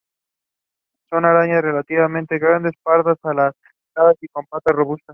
Son arañas relativamente grandes, pardas, alargadas y con patas robustas.